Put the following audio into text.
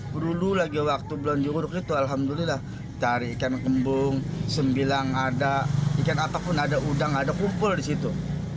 beruluh lagi waktu belum diurut itu alhamdulillah cari ikan kembung sembilang ikan apapun ada udang ada kumpul disitu